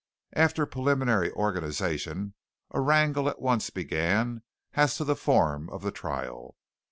After preliminary organization a wrangle at once began as to the form of the trial.